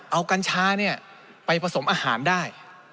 เอากัญชาไปผสมอาหารได้